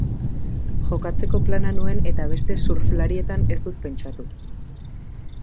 Jokatzeko plana nuen eta beste surflarietan ez dut pentsatu.